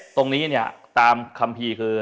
ตรงนี้เนี่ยตามคัมภีร์คือ